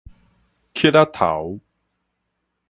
戛仔頭